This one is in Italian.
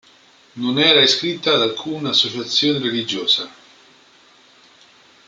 Non era iscritta ad alcun'associazione religiosa.